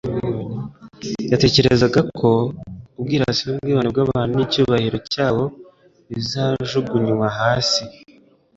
Yatekerezaga yuko ubwirasi n'ubwibone bw'abantu n'icyubahiro cyabo bizajugvnywa hasi.